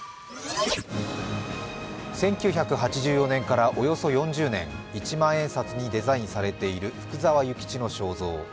１９８４年からおよそ４０年、一万円札にデザインされている福沢諭吉の肖像。